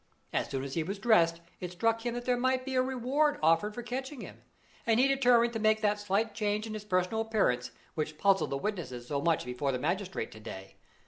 As soon as he was dressed, it struck him that there might be a reward offered for catching him, and he determined to make that slight change in his personal appearance which puzzled the witnesses so much before the magistrate to day.